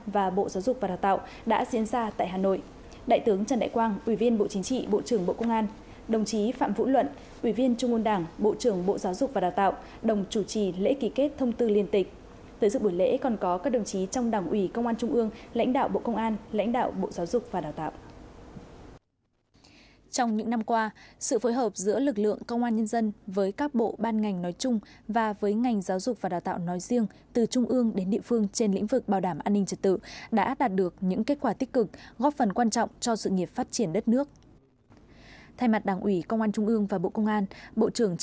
việc ký kết thông tư liên tịch ngày hôm nay là cơ sở pháp lý quan trọng